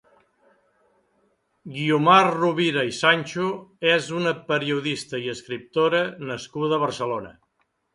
Guiomar Rovira i Sancho és una periodista i escriptora nascuda a Barcelona.